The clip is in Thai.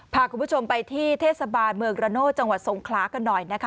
พาคุณผู้ชมไปที่เทศบาลเมืองระโนธจังหวัดสงขลากันหน่อยนะคะ